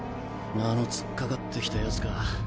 あの突っかかってきたヤツか。